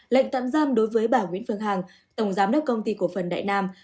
lệnh tạm giam đối với bà nguyễn phương hằng tổng giám đốc công ty cổ phần đại nam